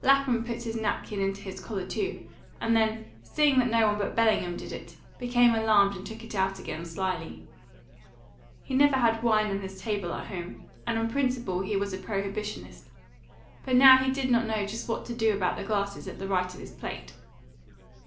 Lapham put his napkin into his collar too, and then, seeing that no one but Bellingham did it, became alarmed and took it out again slyly. He never had wine on his table at home, and on principle he was a prohibitionist; but now he did not know just what to do about the glasses at the right of his plate.